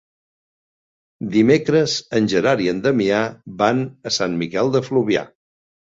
Dimecres en Gerard i en Damià van a Sant Miquel de Fluvià.